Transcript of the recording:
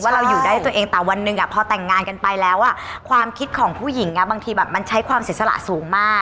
เราอยู่ได้ตัวเองแต่วันหนึ่งพอแต่งงานกันไปแล้วความคิดของผู้หญิงบางทีแบบมันใช้ความเสียสละสูงมาก